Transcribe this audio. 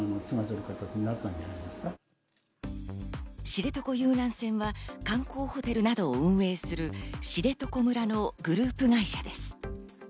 知床遊覧船は観光ホテルなどを運営する、しれとこ村のグループ会社です。